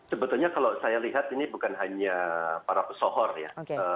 sebetulnya kalau saya lihat ini bukan hanya para pesohor ya